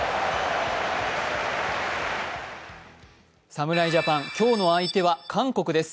侍ジャパン、今日の相手は韓国です。